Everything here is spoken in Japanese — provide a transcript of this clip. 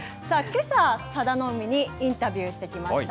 けさ、佐田の海にインタビューしてきました。